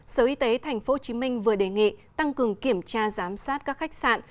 sở y tế tp hcm vừa đề nghị tăng cường kiểm tra giám sát các khách sạn